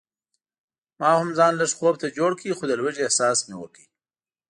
ما هم ځان لږ خوب ته جوړ کړ خو د لوږې احساس مې وکړ.